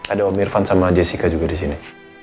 ada om irfan sama jessica juga disini